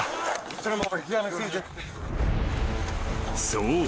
［そう。